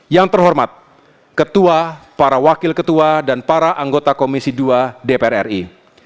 yang terhormat ketua para wakil ketua dan para anggota komisi dua dpr ri